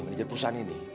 manajer perusahaan ini